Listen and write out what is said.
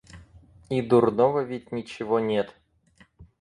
И дурного ведь ничего нет.